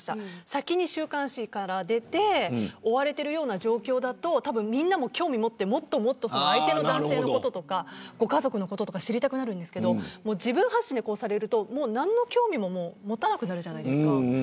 先に週刊誌から出て追われているような状況だとみんなも興味を持ってもっと相手の男性のこととかご家族のこととか知りたくなるんですけど自分発信でされると何の興味も持たなくなるじゃないですか。